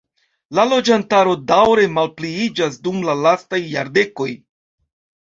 La loĝantaro daŭre malpliiĝas dum la lastaj jardekoj.